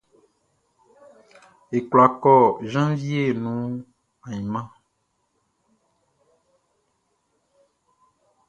Ye kwla kɔ jenvie nuan ainman?